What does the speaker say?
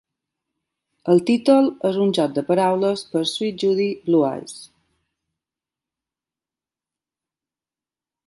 El títol és un joc de paraules per "Sweet Judy Blue Eyes".